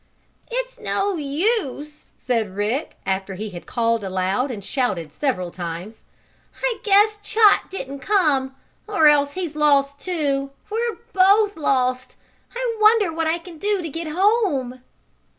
"It's no use," said Rick, after he had called aloud and shouted several times. "I guess Chot didn't come, or else he's lost too. We're both lost! I wonder what I can do to get home?"